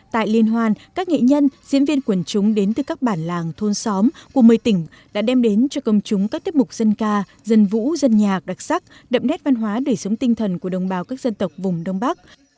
tại liên hoàn các nghệ nhân diễn viên quần chúng đến từ các bản làng thôn xóm cùng mây tỉnh đã đem đến cho công chúng các tiếp mục dân ca dân vũ dân nhạc đặc sắc đậm đét văn hóa để sống tinh thần của đồng bào các dân tộc vùng đông bắc